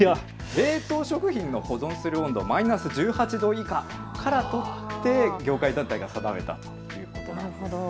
冷凍食品の保存する温度、マイナス１８度以下からとって、業界団体が定めたということなんです。